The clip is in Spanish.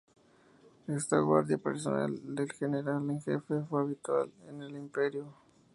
Esta guardia personal del general en jefe fue habitual en el Imperio.